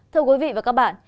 thưa quý vị và các bạn